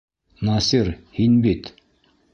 Насир, һин бит?